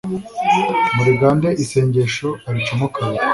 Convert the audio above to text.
muligande isengesho aricamo kabiri